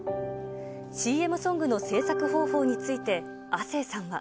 ＣＭソングの制作方法について、亜星さんは。